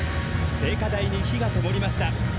「聖火台に火がともりました。